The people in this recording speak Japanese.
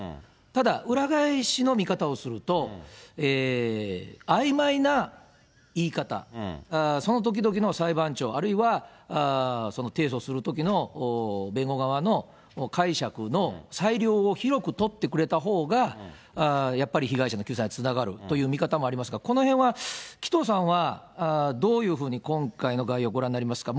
ただ、裏返しの見方をすると、あいまいな言い方、その時々の裁判長、あるいは提訴するときの弁護側の解釈の裁量を広く取ってくれたほうがやっぱり被害者の救済につながるという見方もありますが、このへんは紀藤さんはどういうふうに今回の概要、ご覧になりますか。